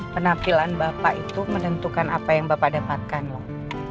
penampilan bapak itu menentukan apa yang bapak dapatkan loh